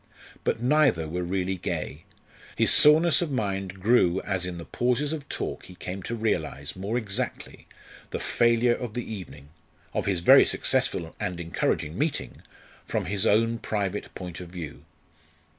But neither were really gay. His soreness of mind grew as in the pauses of talk he came to realise more exactly the failure of the evening of his very successful and encouraging meeting from his own private point of view.